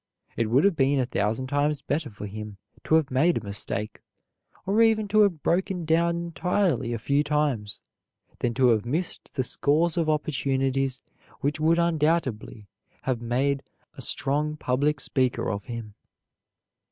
It would have been a thousand times better for him to have made a mistake, or even to have broken down entirely a few times, than to have missed the scores of opportunities which would undoubtedly have made a strong public speaker of him.